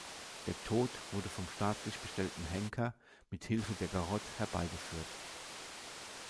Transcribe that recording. Der Tod wurde vom staatlich bestellten Henker mit Hilfe der Garrotte herbeigeführt.